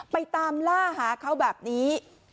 ไปตามล่าหาเขาแบบนี้